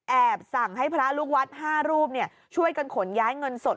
สั่งให้พระลูกวัด๕รูปช่วยกันขนย้ายเงินสด